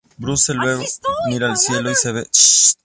Bruce luego mira al cielo y ve la Bati-señal.